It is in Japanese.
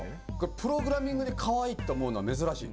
プログラミングでかわいいと思うのは珍しい。